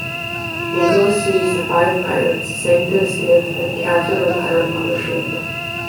"Nicholas" seized five pirates, sank their skiff and captured a pirate mother ship.